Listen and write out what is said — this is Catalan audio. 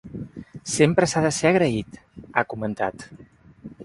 Sempre s’ha de ser agraït, ha comentat.